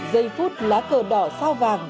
dây phút lá cờ đỏ sao vàng